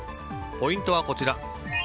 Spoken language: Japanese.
ポイントはこちら。